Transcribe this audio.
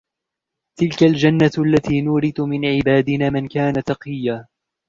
تلك الجنة التي نورث من عبادنا من كان تقيا